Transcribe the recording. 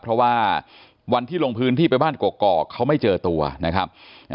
เพราะว่าวันที่ลงพื้นที่ไปบ้านกอกเขาไม่เจอตัวนะครับ